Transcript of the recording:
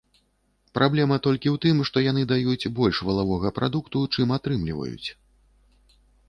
Праблема толькі ў тым, што яны даюць больш валавога прадукту, чым атрымліваюць.